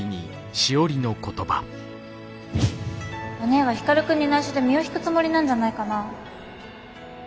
おねぇは光くんに内緒で身を引くつもりなんじゃないかな。